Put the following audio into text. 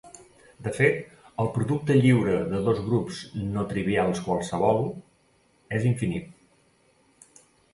De fet, el producte lliure de dos grups no trivials qualssevol és infinit.